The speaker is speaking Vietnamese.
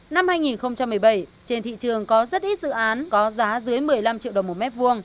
năm hai nghìn một mươi bảy trên thị trường có rất ít dự án có giá dưới một mươi năm triệu đồng một mét vuông